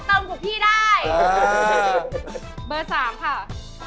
ถ้าไปอ่อนต้นกับพี่ได้